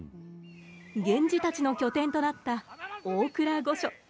源氏たちの拠点となった大倉御所。